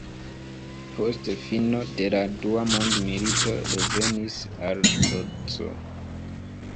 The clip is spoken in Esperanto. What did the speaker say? Post fino de la dua mondmilito revenis al Lodzo.